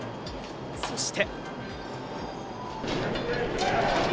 そして。